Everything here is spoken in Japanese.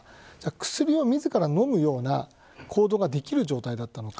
薬を自ら飲むような行動ができる状態だったのか。